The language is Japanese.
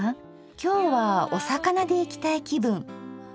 今日はお魚でいきたい気分。